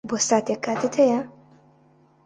بۆ ساتێک کاتت ھەیە؟